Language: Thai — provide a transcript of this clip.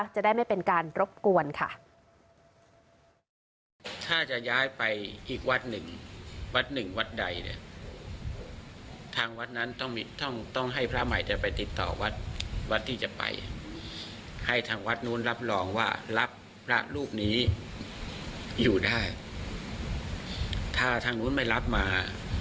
จะได้ไม่เป็นการรบกวนค่ะ